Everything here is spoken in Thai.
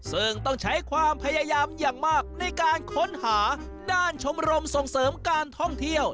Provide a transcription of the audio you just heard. ซึ่งต้องใช้ความพยายามอย่างมากในการค้นหาด้านชมรมส่งเสริมการท่องเที่ยว